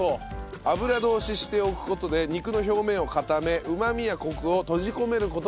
油通ししておく事で肉の表面を固めうまみやコクを閉じ込める事ができる。